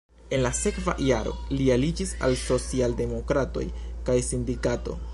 En la sekva jaro li aliĝis al socialdemokratoj kaj sindikato.